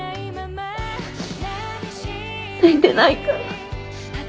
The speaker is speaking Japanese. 泣いてないから。